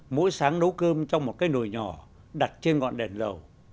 mỗi sáng nấu cơm trong một cái nồi nhỏ đặt trên ngọn đèn lầu